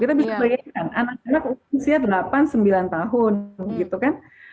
kita bisa bayangkan anak anak usia delapan sembilan tahun gitu kan